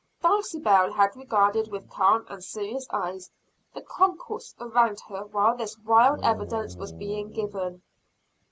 Dulcibel had regarded with calm and serious eyes the concourse around her while this wild evidence was being given.